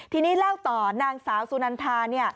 ทีนี้เล่าต่อนางสาวสุนันทาเนี่ย